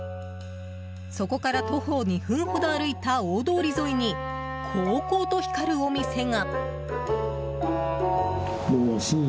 そこから徒歩２分ほど歩いた大通り沿いにこうこうと光るお店が。